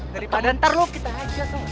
daripada ntar lu kita aja tuh